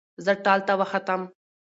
زه ټال ته وختم